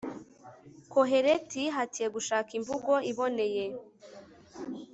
koheleti yihatiye gushaka imvugo iboneye